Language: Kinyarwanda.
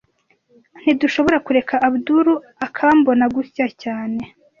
Ntidushobora kureka Abdul akambona gutya cyane